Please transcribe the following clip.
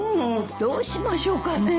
・どうしましょうかねえ。